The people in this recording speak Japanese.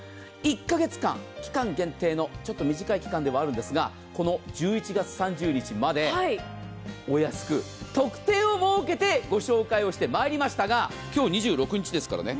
１か月間、期間限定のちょっと短い期間ではあるんですが、この１１月３０日までお安く、特典を設けてご紹介してきましたが、今日２６日ですからね。